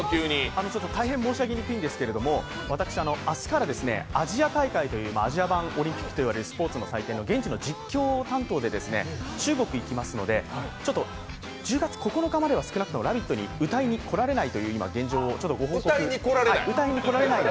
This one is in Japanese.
大変申し上げにくいんですけれども、私、明日からアジア大会という、アジア版オリンピックというスポーツの祭典で、現地の実況担当で中国に行きますので１０月９日までは、少なくとも「ラヴィット！」に歌いに来られないという現状をご報告を。